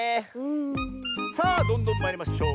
さあどんどんまいりましょう。